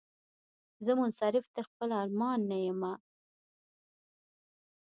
زه منصرف تر خپل ارمان نه یمه